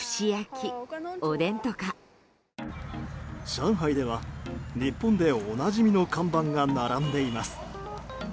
上海では日本でおなじみの看板が並んでいます。